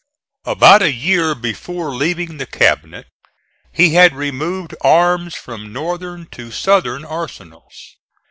About a year before leaving the Cabinet he had removed arms from northern to southern arsenals.